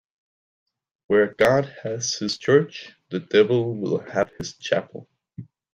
Where God has his church, the devil will have his chapel